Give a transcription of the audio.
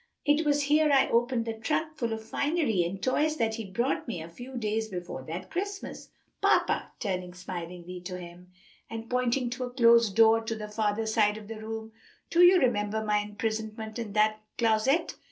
It was here I opened the trunk full of finery and toys that he brought me a few days before that Christmas. "Papa," turning smilingly to him, and pointing to a closed door on the farther side of the room, "do you remember my imprisonment in that closet?"